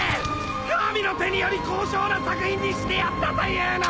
神の手により高尚な作品にしてやったというのに！